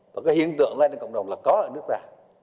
và cái hiện tượng lây lan trong cộng đồng là có ở nước ta